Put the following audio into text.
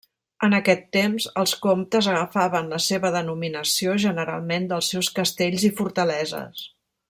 En aquest temps els comtes agafaven la seva denominació generalment dels seus castells i fortaleses.